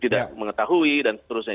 tidak mengetahui dan seterusnya